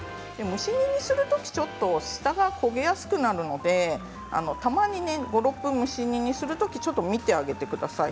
蒸し煮にするとき下が焦げやすくなるのでたまに５、６分蒸し煮にするときちょっと見てあげてください。